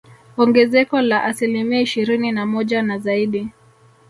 Ongezeko la asilimia ishirini na moja na zaidi